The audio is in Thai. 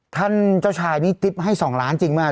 ท่านเจ้าชายนี้ทริปให้๒ล้านจริงไหม